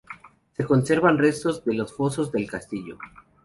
Se conservan restos de los fosos del castillo.